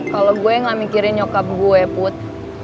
kalau gue gak mikirin nyokap gue put